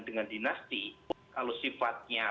dengan dinasti kalau sifatnya